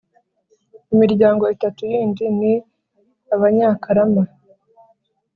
imiryango itatu yindi ni abanyakarama